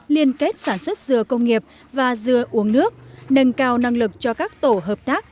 liên kết sản xuất dừa công nghiệp và dừa uống nước nâng cao năng lực cho các tổ hợp tác